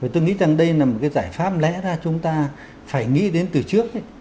tôi nghĩ rằng đây là một cái giải pháp lẽ ra chúng ta phải nghĩ đến từ trước